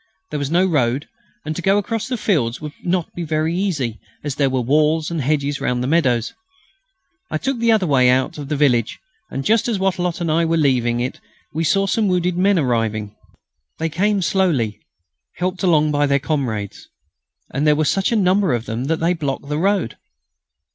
There was no road, and to go across the fields would not be very easy, as there were walls and hedges round the meadows. I took the other way out of the village, and just as Wattrelot and I were leaving it we saw some wounded men arriving. They came slowly, helped along by their comrades, and there were such a number of them that they blocked the road.